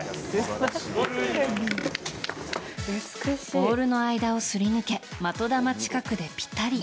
ボールの間をすり抜け的球近くでピタリ。